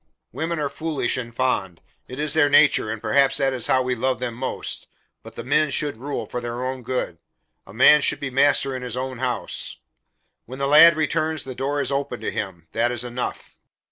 "Women are foolish and fond. It is their nature, and perhaps that is how we love them most, but the men should rule, for their own good. A man should be master in his own house. When the lad returns, the door is open to him. That is enough."